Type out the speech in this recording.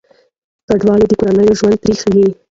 کډوالي د کورنیو ژوند تریخوي.